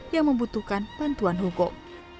yang membutuhkan bantuan hukum